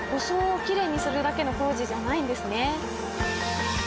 装をきれいにするだけの工事じゃないんですね。